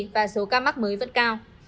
và số ca mắc mới vẫn cao